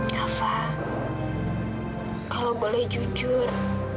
kafa kalau boleh jujur